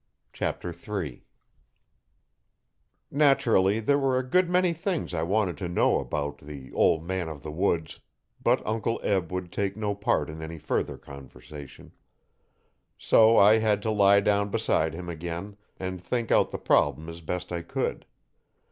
Chapter 3 Naturally there were a good many things I wanted to know about 'the ol' man o' the woods,' but Uncle Eb would take no part in any further conversation. So I had to lie down beside him again and think out the problem as best I could.